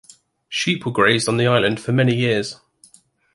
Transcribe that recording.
Sheep were grazed on the island for many years.